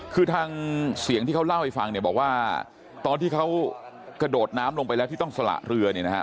คือทางเสียงที่เขาเล่าให้ฟังเนี่ยบอกว่าตอนที่เขากระโดดน้ำลงไปแล้วที่ต้องสละเรือเนี่ยนะฮะ